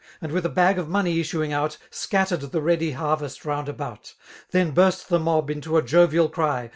And with a bag of money Issuing out> Scattansd the ready harrest round about; Then burst the mob into a jovial ery.